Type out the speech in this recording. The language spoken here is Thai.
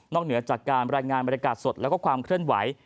เหนือจากการรายงานบรรยากาศสดแล้วก็ความเคลื่อนไหว